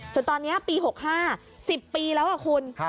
จนตอนนี้ปี๖๕๑๐ปีแล้วคุณ